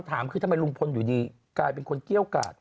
ถามคือทำไมลุงพลอยู่ดีกลายเป็นคนเกี้ยวกาด